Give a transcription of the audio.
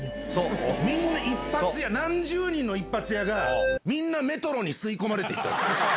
みんな一発屋、何十人の一発屋が、みんなメトロに吸い込まれていったんですよ。